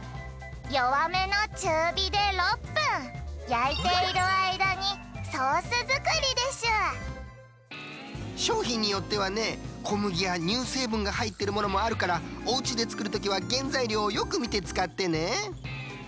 焼いているあいだにソース作りでしゅしょうひんによってはね小麦やにゅうせいぶんがはいっているものもあるからおうちで作るときはげんざいりょうをよくみて使ってね。